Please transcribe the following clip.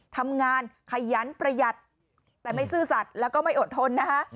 ทำงานขยันประหยัดแต่ไม่ซื่อสัตว์แล้วก็ไม่อดทนนะคะ